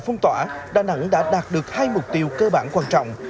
phong tỏa đà nẵng đã đạt được hai mục tiêu cơ bản quan trọng